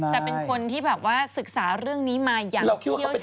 แต่เป็นคนที่ศึกษาเรื่องนี้มาอย่างเชี่ยวชัดมาก